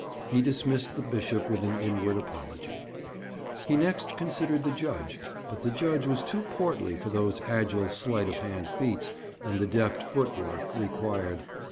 He dismissed the bishop with an inward apology. He next considered the judge, but the judge was too portly for those agile sleight of hand feats and the deft foot work required.